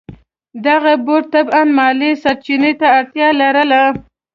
دغه بورډ طبعاً مالي سرچینو ته اړتیا لرله.